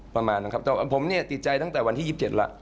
ประมาณนั้นครับแต่ผมอย่าติดใจตั้งแต่วันที่๒๗ละ